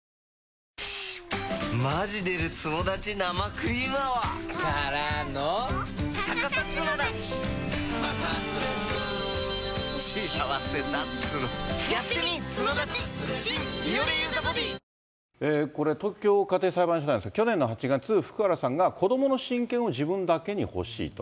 クリームハミガキこれ、東京家庭裁判所なんですが、去年の８月、福原さんが子どもの親権を自分だけに欲しいと。